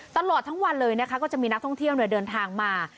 ตลอดทั้งวันเลยนะคะก็จะมีนักท่องเที่ยวเดินทางมา